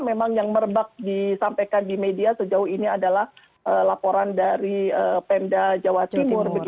memang yang merebak disampaikan di media sejauh ini adalah laporan dari pemda jawa timur